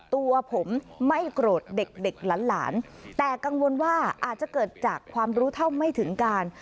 ตัวผมไม่โกรธเด็กเด็กหลานแต่กังวลว่าอาจจะเกิดจากความรู้เท่าไม่ถึงการ